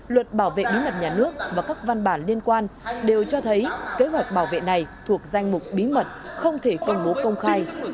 luật bảo vệ bí mật nhà nước và các văn bản liên quan đều cho thấy kế hoạch bảo vệ này thuộc danh mục bí mật không thể công bố công khai